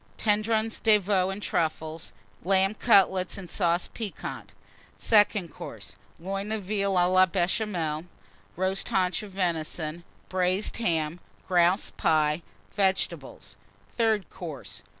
Tendrons de Veau and Truffles. Lamb Cutlets and Sauce Piquante. SECOND COURSE. Loin of Veal à la Béchamel. Roast Haunch of Venison. Braised Ham. Grouse Pie. Vegetables. THIRD COURSE.